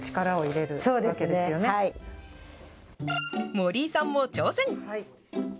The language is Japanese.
森井さんも挑戦。